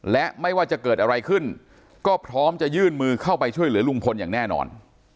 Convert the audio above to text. และไม่ว่าจะเกิดอะไรขึ้นก็พร้อมจะยื่นมือเข้าไปช่วยเหลือลุงพลอย่างแน่นอน